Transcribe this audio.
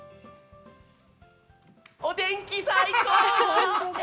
お天気、最高っ！